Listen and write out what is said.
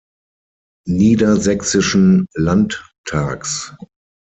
Niedersächsischen Landtags.